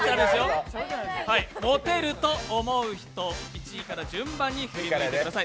モテると思う人、１位から順番に振り向いてください。